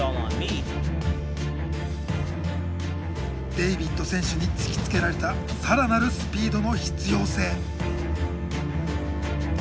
デイビッド選手に突きつけられた更なるスピードの必要性。